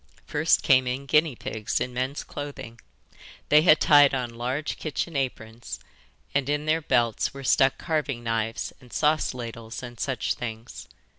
First came in guinea pigs in men's clothing. They had tied on large kitchen aprons, and in their belts were stuck carving knives and sauce ladles and such things.